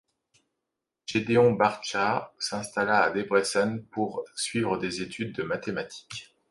Gedeon Barcza s'installa à Debrecen pour suivre des études de mathématiques.